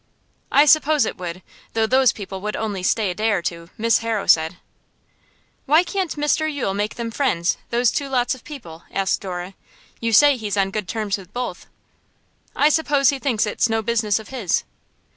'I suppose it would; though those people would only stay a day or two, Miss Harrow said.' 'Why can't Mr Yule make them friends, those two lots of people?' asked Dora. 'You say he's on good terms with both.' 'I suppose he thinks it's no business of his.